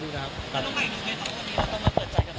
คุณการสนับสนุนเท่านั้นก็มันรวมทัศนไหมครับ